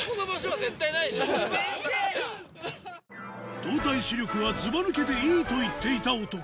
・全然・動体視力はずばぬけていいと言っていた男